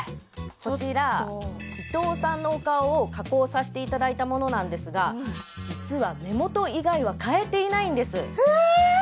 こちら伊藤さんのお顔を加工させていただいたものなんですが実は目元以外は変えていないんですえ！？